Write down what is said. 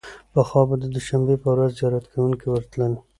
پخوا به د دوشنبې په ورځ زیارت کوونکي ورتلل.